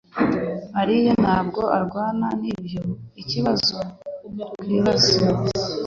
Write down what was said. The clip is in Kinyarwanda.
mariya ntabwo arwana nibyoikibazo twibaza